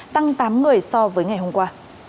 tăng tám người so với ngày hôm qua